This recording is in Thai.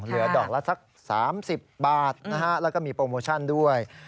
เหลือดอกละสัก๓๐บาทนะฮะแล้วก็มีโปรโมชั่นด้วย